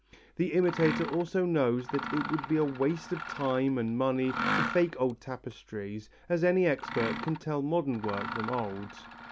The imitator also knows that it would be a waste of time and money to fake old tapestries as any expert can tell modern work from old.